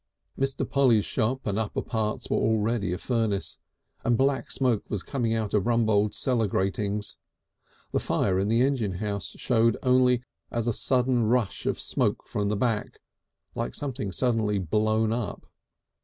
Polly's shop and upper parts were already a furnace, and black smoke was coming out of Rumbold's cellar gratings. The fire in the engine house showed only as a sudden rush of smoke from the back, like something suddenly blown up.